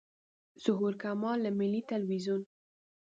ظهور کمال له ملي تلویزیون.